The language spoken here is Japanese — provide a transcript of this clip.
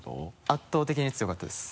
圧倒的に強かったです。